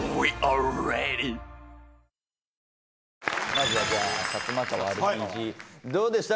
まずは、じゃあサツマカワＲＰＧどうでした？